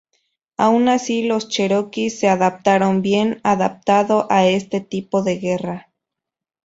Aun así los cheroquis se adaptaron bien adaptado a ese tipo de guerra.